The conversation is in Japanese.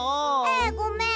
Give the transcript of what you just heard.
えごめん。